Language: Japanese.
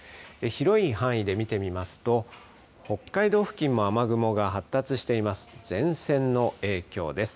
広い範囲で見てみますと北海道付近も雨雲が発達しています。